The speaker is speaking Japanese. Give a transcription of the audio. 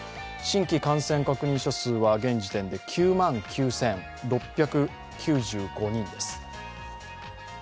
新規感染確認者数は現時点で９万９６９５人です。